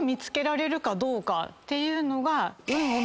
ていうのが。